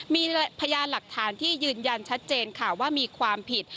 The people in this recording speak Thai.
มีพยานหลักฐานที่ยืนยันชัดเจนค่ะว่ามีความผิด